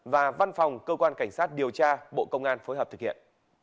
và văn phòng cơ quan cảnh sát điều tra bộ công an phối hợp thực hiện